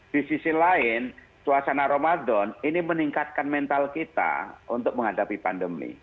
di sisi lain suasana ramadan ini meningkatkan mental kita untuk menghadapi pandemi